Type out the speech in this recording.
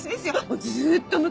もうずっと昔。